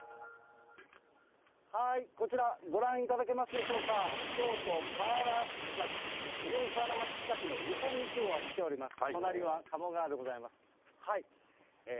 こちら、ご覧いただけますでしょうか、京都・河原町、四条河原町近くの床にきょうは来ております。